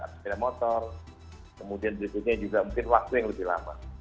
ada koneksi ada motor kemudian berikutnya juga mungkin waktu yang lebih lama